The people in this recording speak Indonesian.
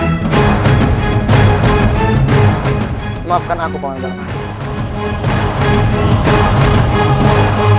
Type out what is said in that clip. maafkan aku pak wendal